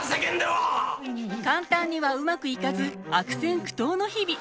簡単にはうまくいかず悪戦苦闘の日々。